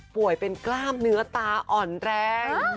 ป่วยเป็นกล้ามเนื้อตาอ่อนแรง